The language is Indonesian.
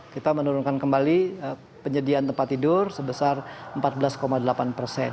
kita menurunkan kembali penyediaan tempat tidur sebesar empat belas delapan persen